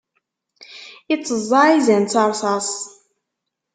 Iteẓẓaɛ izan s ṛṛṣaṣ.